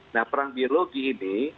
nah perang biologi ini